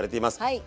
はい。